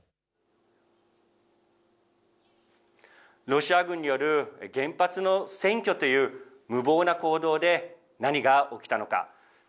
ロシア軍による原発の占拠という無謀な行動で何が起きたのか。